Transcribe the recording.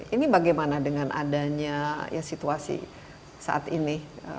ini bagaimana dengan adanya ya situasi saat ini